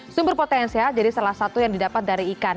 sumber potensi ya jadi salah satu yang didapat dari ikan